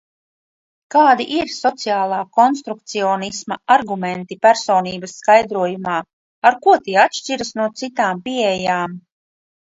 Kādi ir sociālā konstrukcionisma argumenti personības skaidrojumā, ar ko tie atšķiras no citām pieejām?